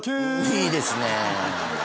いいですね。